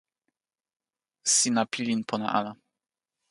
sina pilin pona ala.